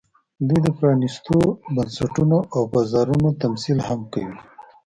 دوی د پرانېستو بنسټونو او بازارونو تمثیل هم کوي